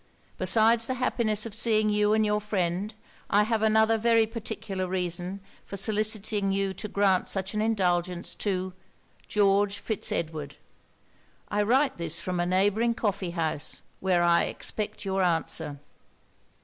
Besides the happiness of seeing you and your friend, I have another very particular reason for soliciting you to grant such an indulgence to GEORGE FITZ EDWARD. 'I write this from a neighbouring coffee house, where I expect your answer.'